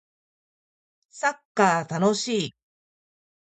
サッカー楽しい